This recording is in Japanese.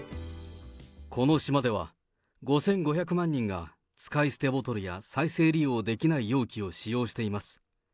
この島では、５５００万人が使い捨てボトルや再生利用できない容器を使用しています。